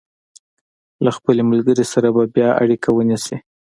له خپلې ملګرې سره به بیا اړیکه ونیسي.